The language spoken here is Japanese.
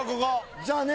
じゃあね。